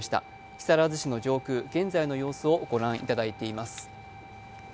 木更津市の上空、現在の様子をご覧いただいています。